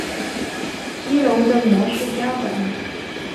激龙的模式标本。